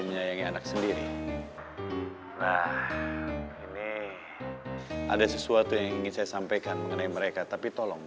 menyayangi anak sendiri nah ini ada sesuatu yang ingin saya sampaikan mengenai mereka tapi tolong